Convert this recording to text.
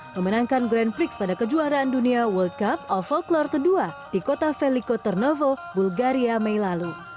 memenangkan grand prix pada kejuaraan dunia world cup of folklore ke dua di kota veliko tarnovo bulgaria mei lalu